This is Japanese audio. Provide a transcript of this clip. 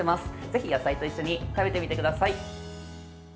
ぜひ野菜と一緒に食べてみてください。